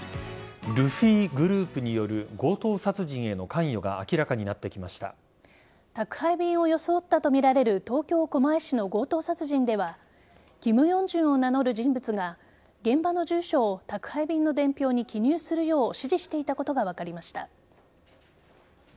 ルフィグループによる強盗殺人への関与が宅配便を装ったとみられる東京・狛江市の強盗殺人ではキム・ヨンジュンを名乗る人物が現場の住所を宅配便の伝票に記入するよう指示していたことが分かりました。